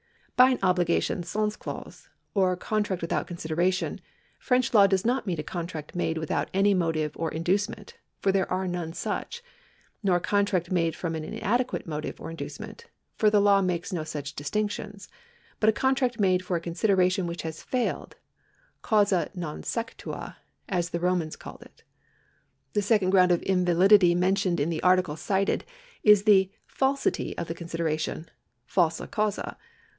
By an obligation sans cause, or contract without consideration, French law does not mean a contract made without any motive or inducement (for there arc none such), nor a contract made from an inade((uate motive or inducement (for the law makes no such distinctions), but a contract made for a consideration which has failed — causa nan secuta, as the Romans called it. The second ground of invalidity mentioned in the Article cited is the falsiti/ of the consideration (falsa causa).